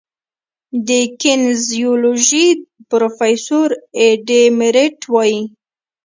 د کینیزیولوژي پروفیسور ایډ میرټ وايي